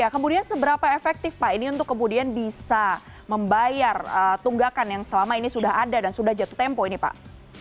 kemudian seberapa efektif pak ini untuk kemudian bisa membayar tunggakan yang selama ini sudah ada dan sudah jatuh tempo ini pak